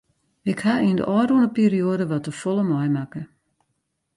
Ik ha yn de ôfrûne perioade wat te folle meimakke.